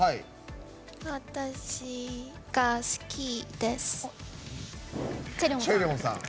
私が好きです。